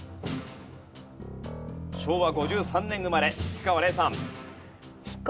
昭和５３年生まれ菊川怜さん。